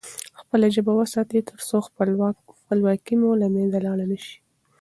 خپله ژبه وساتئ ترڅو خپلواکي مو له منځه لاړ نه سي.